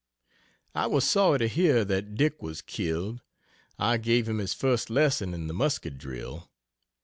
I was sorry to hear that Dick was killed. I gave him his first lesson in the musket drill.